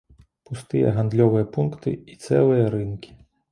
Пустыя гандлёвыя пункты і цэлыя рынкі.